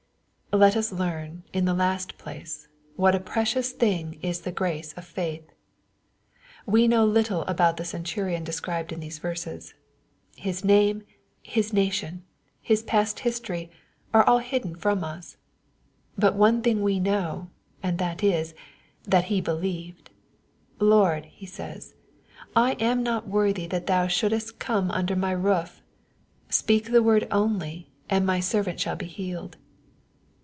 Let us learn, in the last place, what a precious thing is the grace of faith. We know little about the centurion described in these verses. His name, his nation, his past history, are all hidden from us. But one thing we know, and that is, that he believed. " Lord," he says, " I am not worthy that thou shouldest come under my roof. Speak the word only, and my servant shall be healed."